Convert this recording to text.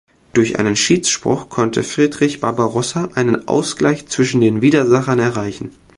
Durch einen Schiedsspruch konnte Friedrich Barbarossa einen Ausgleich zwischen den Widersachern erreichen.